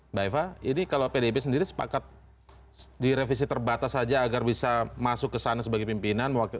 mbak eva ini kalau pdip sendiri sepakat direvisi terbatas saja agar bisa masuk ke sana sebagai pimpinan